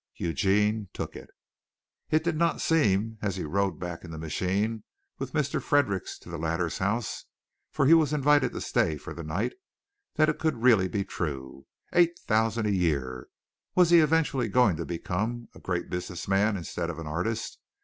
Eugene took it. It did not seem as he rode back in the machine with Mr. Fredericks to the latter's house for he was invited to stay for the night that it could really be true. Eight thousand a year! Was he eventually going to become a great business man instead of an artist?